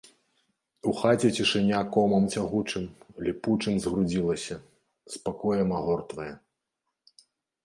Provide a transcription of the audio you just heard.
У хаце цішыня комам цягучым, ліпучым згрудзілася, спакоем агортвае.